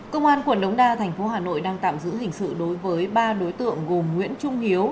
công an quận đống đa thành phố hà nội đang tạm giữ hình sự đối với ba đối tượng gồm nguyễn trung hiếu